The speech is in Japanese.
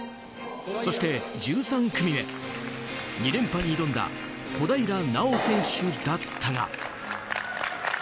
そして１３組目２連覇に挑んだ小平奈緒選手だったが。